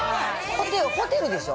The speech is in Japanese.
ホテルでしょ？